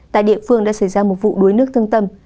tại địa phương đã xảy ra một vụ đuối nước thương tâm